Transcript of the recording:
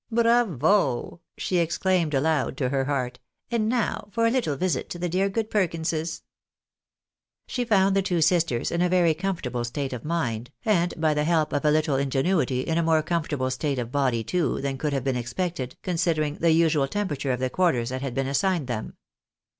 " Bravo !" she exclaimed aloud to her heart ;" and now for a little visit to the dear good Perkinses." She found the two sisters in a very comfortable state of mind, and by the help of a little ingenuity in a more comfortable state of body, too, than could have been expected, considering the usual temperature of the quarters that had been assigned them.